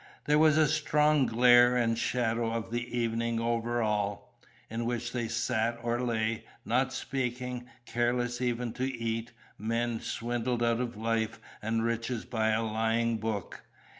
There was a strong glare and shadow of the evening over all; in which they sat or lay, not speaking, careless even to eat, men swindled out of life and riches by a lying book.